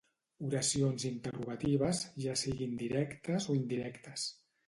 Oracions interrogatives, ja siguin directes o indirectes.